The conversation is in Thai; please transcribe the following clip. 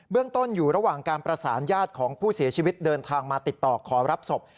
เรื่องต้นอยู่ระหว่างการประสานญาติของผู้เสียชีวิตเดินทางมาติดต่อขอรับศพ